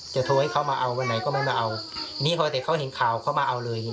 โทรให้เขามาเอาวันไหนก็ไม่มาเอานี่พอแต่เขาเห็นข่าวเขามาเอาเลย